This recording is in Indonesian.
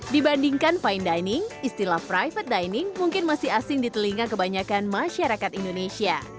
dibandingkan fine dining istilah private dining mungkin masih asing di telinga kebanyakan masyarakat indonesia